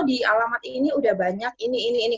oh di alamat ini sudah banyak ini ini ini